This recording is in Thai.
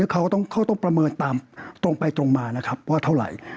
เขาก็ต้องประเมินตามตรงไปตรงมานะครับว่าเท่าไหร่